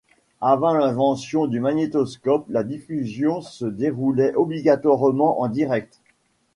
Avant l'invention du magnétoscope, la diffusion se déroulait obligatoirement en direct.